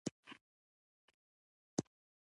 پر لاره درې کسه روان وو.